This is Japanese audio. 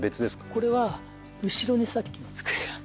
これは後ろにさっきの机が。